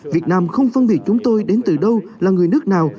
việt nam không phân biệt chúng tôi đến từ đâu là người nước nào